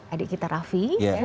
adik kita rafi